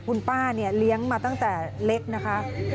คุณป้าเนี่ยเลี้ยงมาตั้งแต่เล็กนะคะ